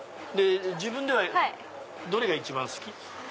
自分ではどれが一番好き？